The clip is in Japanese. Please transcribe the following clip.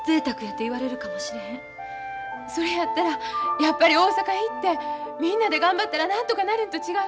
それやったらやっぱり大阪へ行ってみんなで頑張ったらなんとかなるんと違う？